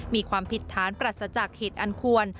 มีความผิดฐานปรัสจากเหตุอันควร